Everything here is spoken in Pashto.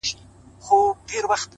• ځم ورته را وړم ستوري په لپه كي؛